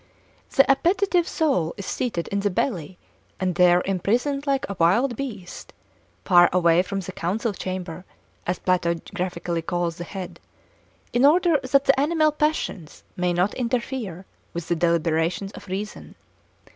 The appetitive soul is seated in the belly, and there imprisoned like a wild beast, far away from the council chamber, as Plato graphically calls the head, in order that the animal passions may not interfere with the deliberations of reason.